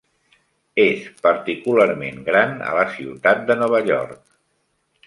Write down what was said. És particularment gran a la ciutat de Nova York.